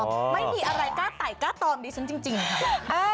ไม่มีอะไรกล้าไตกล้าตอบดีจริงครับ